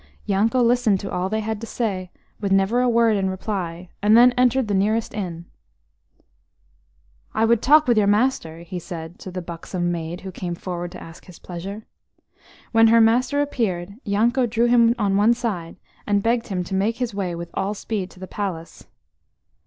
Yanko listened to all they had to say with never a word in reply, and then entered the nearest inn. "I would talk with your master," he said to the buxom maid who came forward to ask his pleasure. When her master appeared, Yanko drew him on one side and begged him to make his way with all speed to the palace.